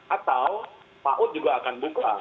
atau paut juga akan buka